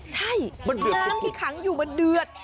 ใช่น้ำที่ขังอยู่มันเดือด